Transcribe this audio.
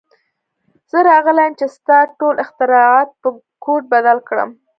زه راغلی یم چې ستا ټول اختراعات په کوډ بدل کړم